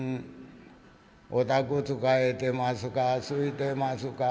お宅つかえてますかすいてますか？」。